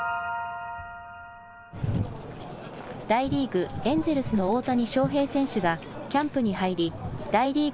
大リーグ、エンジェルスの大谷翔平選手がキャンプに入り大リーグ